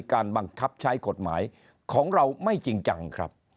การบังคับใช้กฎหมายของเราไม่จริงจังครับ